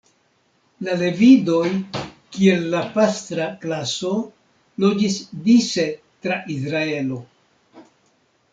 La Levidoj, kiel la pastra klaso, loĝis dise tra Izraelo.